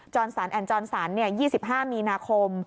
จรสรรค์แอนด์จรสรรค์๒๕มีนาคม